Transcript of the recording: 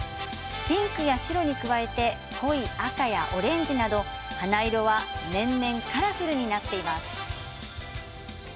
ピンクや白に加えて濃い赤やオレンジなど、花色は年々カラフルになっています。